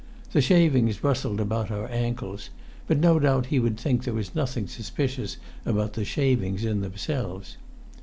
The shavings rustled about our ankles; but no doubt he would think there was nothing suspicious about the shavings in themselves.